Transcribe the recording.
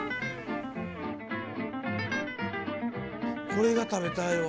これが食べたいわ。